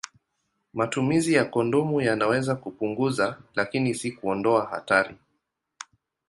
Matumizi ya kondomu yanaweza kupunguza, lakini si kuondoa hatari.